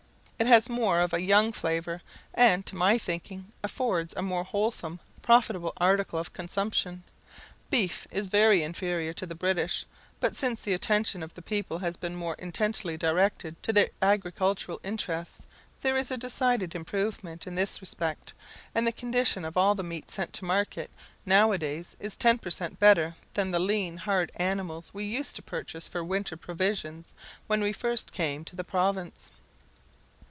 It has more of a young flavour, and, to my thinking, affords a more wholesome, profitable article of consumption. Beef is very inferior to the British; but since the attention of the people has been more intently directed to their agricultural interests, there is a decided improvement in this respect, and the condition of all the meat sent to market now a days is ten per cent better than the lean, hard animals we used to purchase for winter provisions, when we first came to the province.